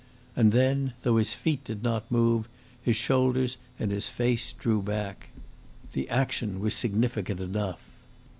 And then, though his feet did not move, his shoulders and his face drew back. The action was significant enough.